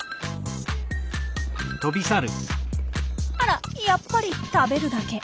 あらやっぱり食べるだけ。